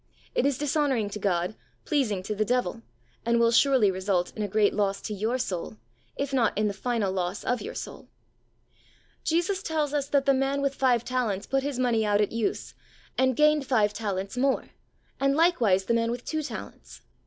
It is dishonouring to God, pleasing to the devil, and will surely result in a great loss to your soul, if not in the final loss of your soul. Jesus tells us that the man with five talents put his money out at use and gained five talents more, and likewise the man with two talents.